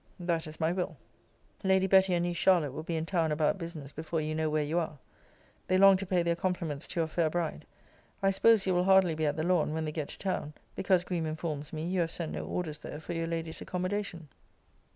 That is my will. Lady Betty and niece Charlotte will be in town about business before you know where you are. They long to pay their compliments to your fair bride. I suppose you will hardly be at The Lawn when they get to town; because Greme informs me, you have sent no orders there for your lady's accommodation.